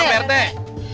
siap pak rt